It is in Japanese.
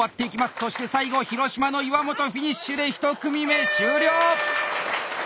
そして最後広島の岩本フィニッシュで１組目終了！